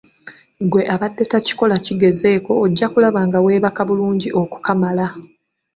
Gwe abadde takikola kigezeeko ojja kulaba nga weebaka bulungi okukamala.